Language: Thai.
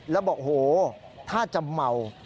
แล้วบอกโหถ้าจะเมา